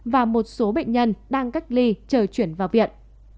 và một số bệnh nhân đang cách ly chờ chuyển vào viện